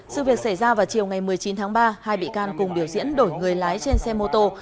sự việc xảy ra vào chiều ngày một mươi chín tháng ba hai bị can cùng biểu diễn đổi người lái trên xe mô tô